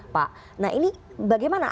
pak nah ini bagaimana